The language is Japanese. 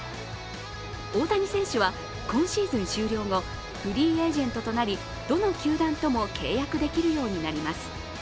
大谷選手は今シーズン終了後、フリーエージェントとなりどの球団とも契約できるようになります。